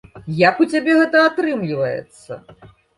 Як у цябе гэта атрымліваецца?